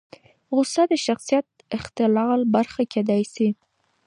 غوسه د شخصیت اختلال برخه کېدای شي.